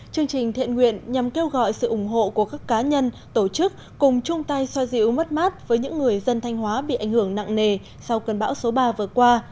chương trình thiện nguyện nhằm kêu gọi sự ủng hộ của các cá nhân tổ chức cùng chung tay xoa dịu mất mát với những người dân thanh hóa bị ảnh hưởng nặng nề sau cơn bão số ba vừa qua